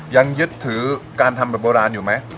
ยังยึดถือการทำแบบโบราณอยู่ไหม